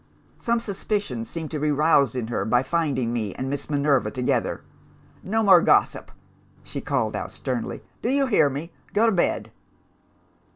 Some suspicion seemed to be roused in her by finding me and Miss Minerva together. "No more gossip!' she called out sternly. 'Do you hear me? Go to bed!